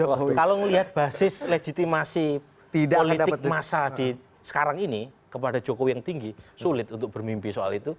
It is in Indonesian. kalau melihat basis legitimasi politik masa sekarang ini kepada jokowi yang tinggi sulit untuk bermimpi soal itu